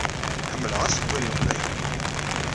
Ḥemmleɣ assewwi n Leqbayel.